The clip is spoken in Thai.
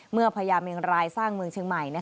เมื่อพระยามิงรายสร้างเมืองเชียงใหม่